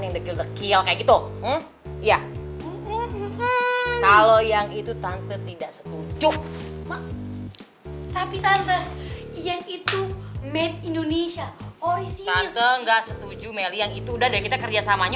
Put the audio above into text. di eskartaria progres